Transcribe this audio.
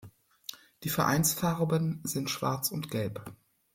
Die Vereinsfarben sind Schwarz und Gelb.